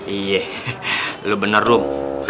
iya lu bener rum